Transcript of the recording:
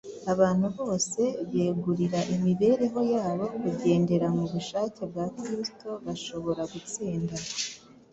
abantu bose begurira imibereho yabo kugendera mu bushake bwa kristo bashobora gutsinda.